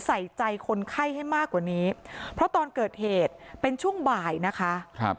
ใส่ใจคนไข้ให้มากกว่านี้เพราะตอนเกิดเหตุเป็นช่วงบ่ายนะคะครับ